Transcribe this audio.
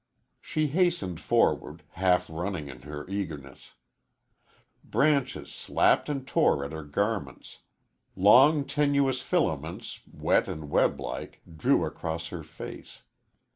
She hastened forward, half running in her eagerness. Branches slapped and tore at her garments long, tenuous filaments, wet and web like, drew across her face.